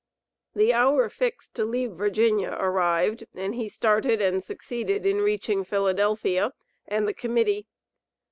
The hour fixed to leave Virginia arrived, and he started and succeeded in reaching Philadelphia, and the Committee.